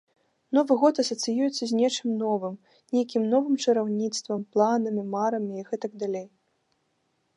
Новы год асацыюецца з нечым новым, нейкім новым чараўніцтвам, планамі, марамі і гэтак далей.